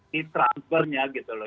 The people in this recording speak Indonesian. di transfernya gitu loh